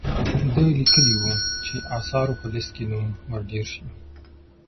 ده لیکلي وو چې آثارو په لیست کې نوم ور ډیر شي.